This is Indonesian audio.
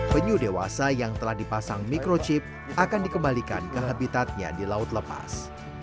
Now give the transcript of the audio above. penyu dewasa yang telah dipasang microchip akan dikembalikan ke habitatnya di laut lepas